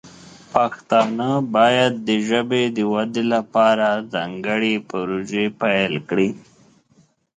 پښتانه باید د ژبې د ودې لپاره ځانګړې پروژې پیل کړي.